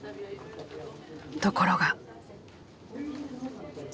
ところが。